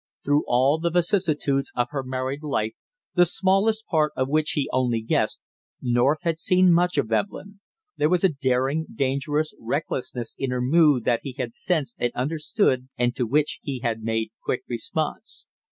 Through all the vicissitudes of her married life, the smallest part of which he only guessed, North had seen much of Evelyn. There was a daring dangerous recklessness in her mood that he had sensed and understood and to which he had made quick response.